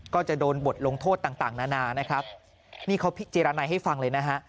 ก็จะโดนบทลงโทษต่างต่างนานานะครับนี่เขาพิจารณาให้ฟังเลยนะฮะ